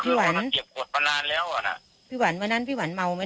พี่หวันทำแบบนี้พี่หวันสงสารพิสูจน์บ้างไหม